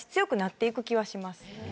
気はします。